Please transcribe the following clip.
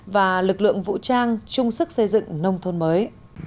và lực lượng vũ trang chung sức xây dựng nông thôn mới